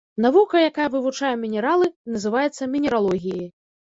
Навука, якая вывучае мінералы называецца мінералогіяй.